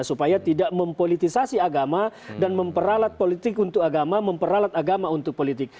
supaya tidak mempolitisasi agama dan memperalat politik untuk agama memperalat agama untuk politik